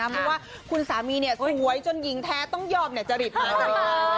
เพราะว่าคุณสามีสวยจนหญิงแท้ต้องยอมจริตมหาจริต